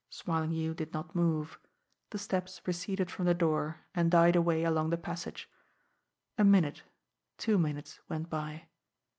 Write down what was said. Smarlinghue did not move. The steps receded from the door, and died away along the passage. A minute, two minutes went by.